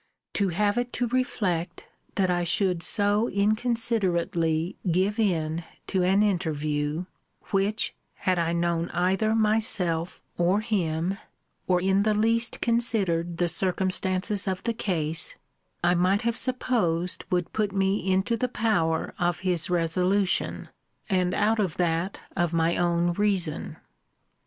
To have it to reflect, that I should so inconsiderately give in to an interview, which, had I known either myself or him, or in the least considered the circumstances of the case, I might have supposed would put me into the power of his resolution, and out of that of my own reason.